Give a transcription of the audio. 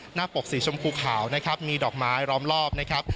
ปกสีชมพูขาวนะครับมีดอกไม้ล้อมรอบนะครับ